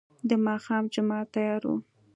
د ماښام جماعت تيار و.